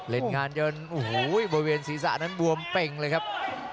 เล่นงานเยอะโอ้โหโบวี่เวรศีรษะนั้นบวมเป็นเลยครับ